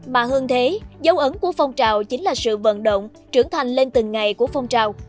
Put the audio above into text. mà hơn thế dấu ấn của phong trào chính là sự vận động trưởng thành lên từng ngày của phong trào